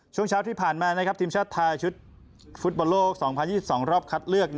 ช่วงเช้าที่ผ่านมาทีมชาติไทยชุดฟุตบอลโลก๒๐๒๒รอบคัดเลือก